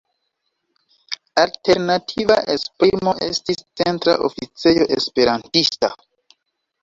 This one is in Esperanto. Alternativa esprimo estis "Centra Oficejo Esperantista".